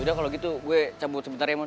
yaudah kalo gitu gue cabut sebentar ya mon